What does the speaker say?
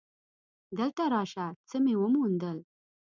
دلته راشه څه مې وموندل.